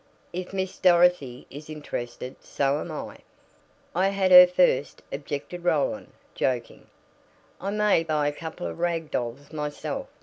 "If Miss Dorothy is interested so am I." "I had her first," objected Roland, joking. "I may buy a couple of rag dolls myself.